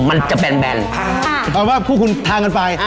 มันจะแบนแบนอ่ามันว่าคุณพาเงินไปอ่อ